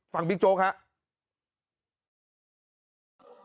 บิ๊กโจ๊กครับ